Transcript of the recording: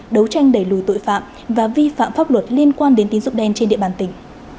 đấu tranh đẩy lùi tội phạm và vi phạm pháp luật liên quan đến tín dụng đen trên địa bàn tỉnh